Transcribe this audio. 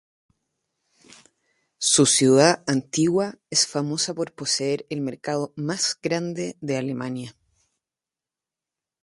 Su ciudad antigua es famosa por poseer el mercado más grande en Alemania.